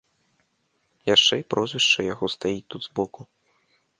Яшчэ і прозвішча яго стаіць тут збоку.